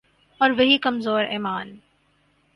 اور وہی کمزور ایمان۔